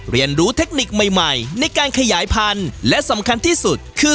เรียนรู้เทคนิคใหม่ใหม่ในการขยายพันธุ์และสำคัญที่สุดคือ